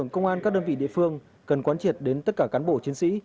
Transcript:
các đơn vị địa phương cần quán triệt đến tất cả cán bộ chiến sĩ